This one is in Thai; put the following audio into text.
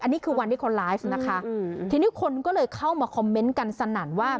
อันนี้คือวันที่เขาไลฟ์นะคะทีนี้คนก็เลยเข้ามาคอมเมนต์กันสนั่นว่า